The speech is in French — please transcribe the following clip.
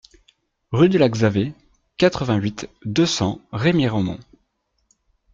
Rue de la Xavée, quatre-vingt-huit, deux cents Remiremont